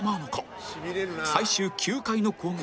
最終９回の攻撃